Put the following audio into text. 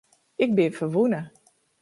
Ik bin ferwûne.